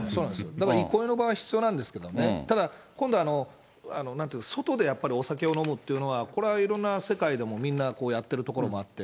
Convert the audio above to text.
だから憩いの場は必要なんですけどね、ただ、今度、外でやっぱりお酒を飲むっていうのは、これはいろんな世界でも、みんなこうやってるところもあって。